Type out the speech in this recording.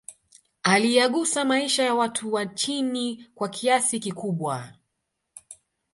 Aliyagusa maisha ya watu wa chini kwa kiasi kikubwa